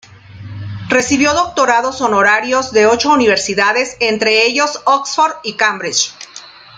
Recibió doctorados honorarios de ocho universidades, entre ellas Oxford y Cambridge.